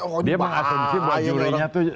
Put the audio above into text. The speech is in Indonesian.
oh nyoba dia mengaksensi bahwa jurunya itu